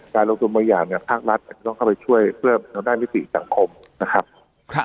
ภาครัฐเราก็ต้องเข้าไปช่วยเพื่อด้านตามศิษย์สังคมนะครับค่ะ